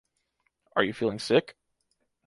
Are you feeling sick?